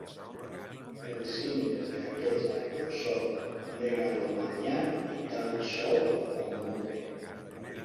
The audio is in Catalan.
Els singles d'aquest àlbum són "Megalomaniac" i "Talk Shows on Mute".